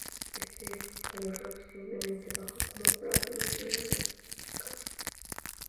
Este es un valor lo suficientemente bajo como para permitir largas tiradas de cable.